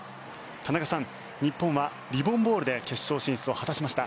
田中さん日本はリボン・ボールで決勝進出を果たしました。